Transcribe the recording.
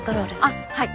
あっはい